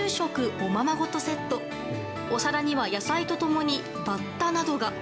お皿には野菜と共にバッタなどが。